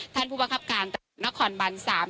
ท่านผู้บังคับการตระบวนนครบาล๓